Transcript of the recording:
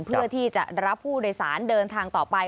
เพื่อที่จะรับผู้โดยสารเดินทางต่อไป